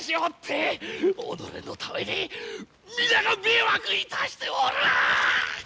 おのれのために皆が迷惑いたしておるわ！